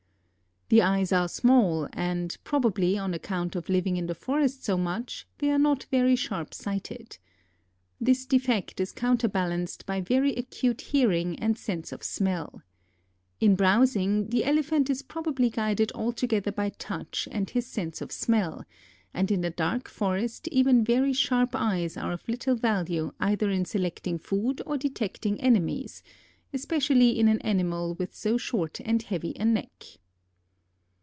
The eyes are small and, probably on account of living in the forest so much, they are not very sharp sighted. This defect is counterbalanced by very acute hearing and sense of smell. In browsing the Elephant is probably guided altogether by touch and his sense of smell; and in a dark forest even very sharp eyes are of little value either in selecting food or detecting enemies, especially in an animal with so short and heavy a neck.